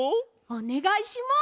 おねがいします。